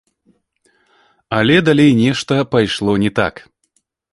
Але далей нешта пайшло не так.